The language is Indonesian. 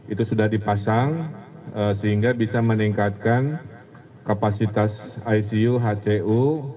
itu sudah dipasang sehingga bisa meningkatkan kapasitas icu hcu